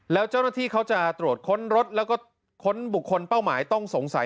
แล้วเจ้าหน้าที่เขาจะตรวจค้นรถแล้วก็ค้นบุคคลเป้าหมายต้องสงสัย